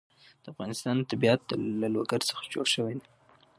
د افغانستان طبیعت له لوگر څخه جوړ شوی دی.